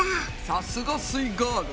さすがすイガール。